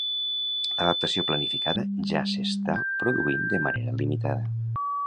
L'adaptació planificada ja s'està produint de manera limitada.